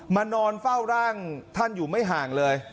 นอนเฝ้าร่างท่านอยู่ไม่ห่างเลย